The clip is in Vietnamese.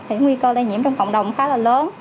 thì nguy cơ lây nhiễm trong cộng đồng khá là lớn